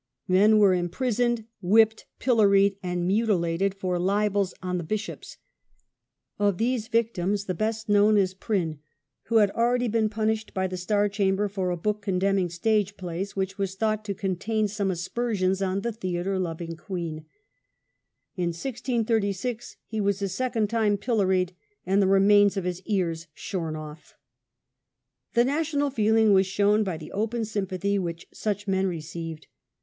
Men were imprisoned, whipped, pilloried, and mutilated for libels on the bishops. Of these victims the best known is Prynne, who had already been punished by the Star Chamber for a book condemning stage plays, which was thought to con tain some aspersions on the theatre loving queen. In 1636 he was a second time pilloried, and the remains of his ears shorn off. The national feeling was shown by the open sympathy which such men received.